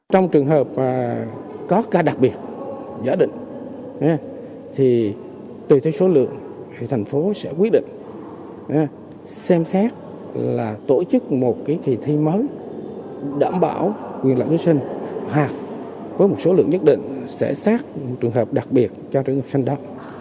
trong trường hợp có ca đặc biệt giả định thì tùy theo số lượng thì thành phố sẽ quyết định xem xét là tổ chức một cái thi mới đảm bảo quyền lợi thí sinh hoặc với một số lượng nhất định sẽ xác trường hợp đặc biệt cho trường hợp sinh đó